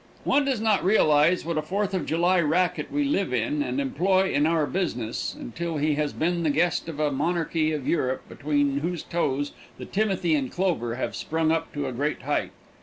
One does not realize what a Fourth of July racket we live in and employ in our business till he has been the guest of a monarchy of Europe between whose toes the timothy and clover have sprung up to a great height.